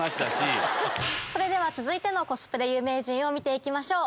それでは続いてのコスプレ有名人見て行きましょう。